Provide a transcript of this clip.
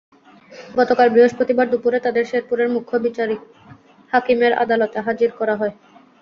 গতকাল বৃহস্পতিবার দুপুরে তাঁদের শেরপুরের মুখ্য বিচারিক হাকিমের আদালতে হাজির করা হয়।